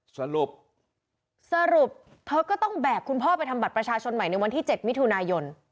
สรุปสรุปเธอก็ต้องแบกคุณพ่อไปทำบัตรประชาชนใหม่ในวันที่๗มิถุนายน